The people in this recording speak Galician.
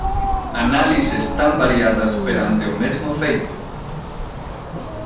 Análises tan variadas perante o mesmo feito!